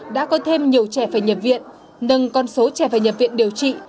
đã có thêm nhiều trẻ phải nhập viện nâng con số trẻ phải nhập viện điều trị